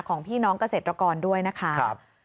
ของพี่น้องเกษตรกรด้วยนะคะ